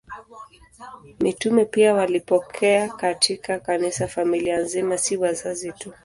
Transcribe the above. Mitume pia walipokea katika Kanisa familia nzima, si wazazi tu.